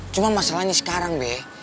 cuma masalahnya sekarang be